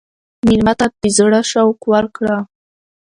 مېلمه ته د زړه شوق ورکړه.